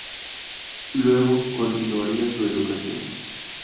Luego, continuaría su educación.